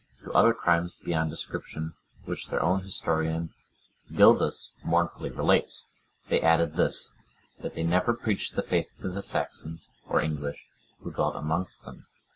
To other crimes beyond description, which their own historian, Gildas,(103) mournfully relates, they added this—that they never preached the faith to the Saxons, or English, who dwelt amongst them.